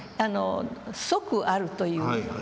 即あるという。